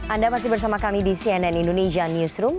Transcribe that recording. anda masih bersama kami di cnn indonesia newsroom